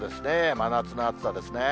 真夏の暑さですね。